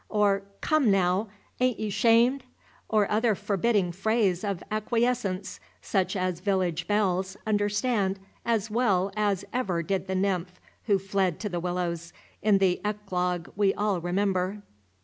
or "Come, naow, a'n't ye 'shamed?" or other forbidding phrase of acquiescence, such as village belles under stand as well as ever did the nymph who fled to the willows in the eclogue we all remember.